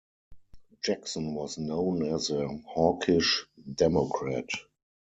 Jackson was known as a hawkish Democrat.